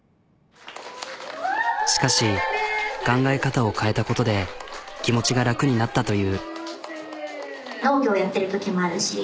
しかし考え方を変えたことで気持ちが楽になったという。